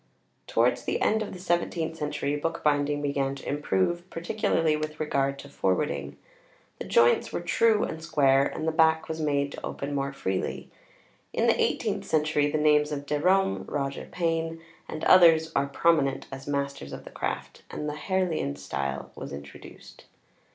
Towards the end of the seventeenth century bookbinding began to improve, particularly with regard to forwarding. The joints were true and square, and the back was made to open more freely. In the eighteenth century the names of Derome, Roger Payne, and others are prominent as masters of the craft, and the Harleian style was introduced.